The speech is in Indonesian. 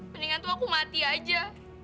mendingan tuh aku mati aja